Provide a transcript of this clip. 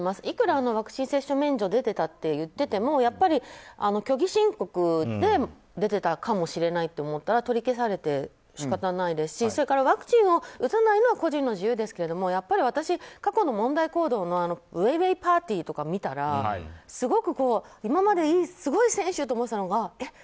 いくらワクチン接種免除が出てたといっても虚偽申告で出ていたかもしれないと思ったら取り消されて仕方ないですしそれからワクチンを打たないのは個人の自由ですけど私、過去の問題行動のウェイウェイパーティーとか見たらすごく今まですごい選手だと思っていたのがえ？